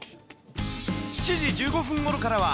７時１５分ごろからは、